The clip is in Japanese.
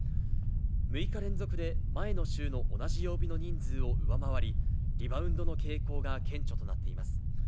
６日連続で前の週の同じ曜日の人数を上回り、リバウンドの傾向が顕著となっています。